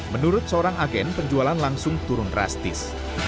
menurut seorang agen penjualan langsung turun drastis